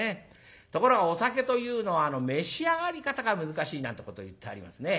ところがお酒というのは召し上がり方が難しいなんてこといってありますね。